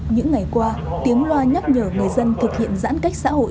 những ngày qua tiếng loa nhắc nhở người dân thực hiện giãn cách xã hội